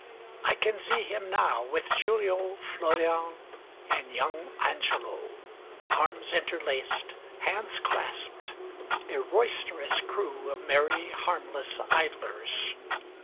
I can see him now, With Giulio, Florian, and young Angelo, Arms interlaced, hands clasped, a roisterous crew Of merry, harmless idlers.